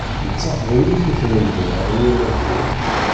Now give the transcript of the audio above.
D taqbaylit i tlemdem ar yemma-twen.